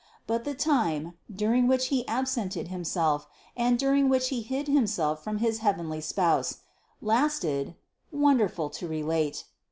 But the time, during which He absented Himself and during which He hid Himself from this heavenly spouse, lasted (wonderful to relate!)